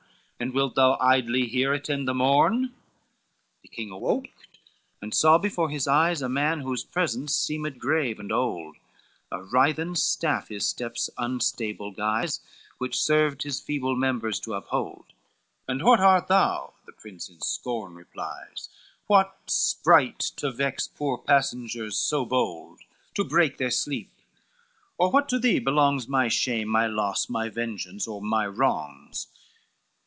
And wilt thou idly here attend the morn?" IX The king awoke, and saw before his eyes A man whose presence seemed grave and old, A writhen staff his steps unstable guies, Which served his feeble members to uphold. "And what art thou?" the prince in scorn replies, "What sprite to vex poor passengers so bold, To break their sleep? or what to thee belongs My shame, my loss, my vengeance or my wrongs."